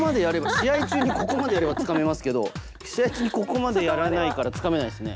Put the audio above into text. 試合中にここまでやれば掴めますけど試合中にここまでやらないから掴めないですね。